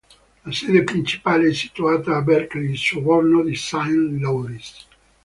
La sede principale è situata a Berkeley, sobborgo di Saint Louis.